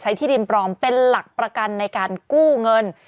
ที่ดินปลอมเป็นหลักประกันในการกู้เงิน